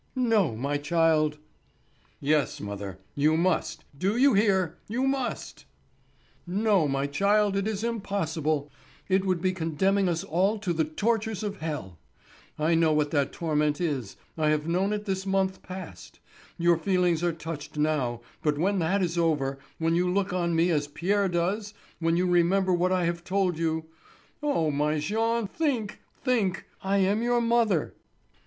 "No, my child." "Yes, mother, you must; do you hear? You must." "No, my child, it is impossible. It would be condemning us all to the tortures of hell. I know what that torment is; I have known it this month past. Your feelings are touched now, but when that is over, when you look on me as Pierre does, when you remember what I have told you—oh, my Jean, think—think—I am your mother!"